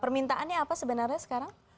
permintaannya apa sebenarnya sekarang